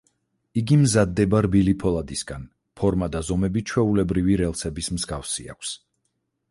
იგი მზადდება რბილი ფოლადისგან, ფორმა და ზომები ჩვეულებრივი რელსების მსგავსი აქვს.